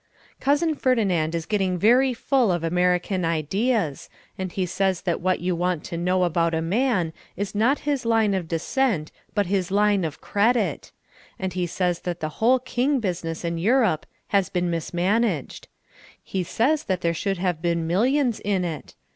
Cousin Ferdinand is getting very full of American ideas and he says that what you want to know about a man is not his line of descent but his line of credit. And he says that the whole King business in Europe has been mismanaged. He says that there should have been millions in it.